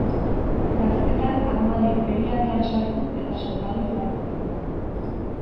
Gaztetan armada inperialean sartu eta soldadu izan zen.